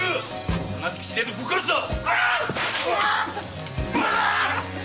おとなしくしねえとぶっ殺すぞ！